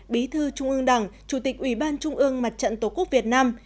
bí thư trung ương đảng chủ tịch ủy ban trung ương mặt trận tổ quốc việt nam